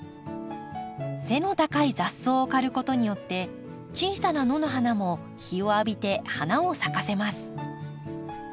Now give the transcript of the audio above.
背の高い雑草を刈ることによって小さな野の花も日を浴びて花を咲かせます。